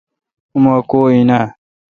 اوما کو این اؘ۔